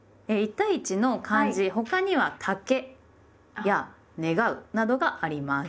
１対１の漢字他には「竹」や「『願』う」などがあります。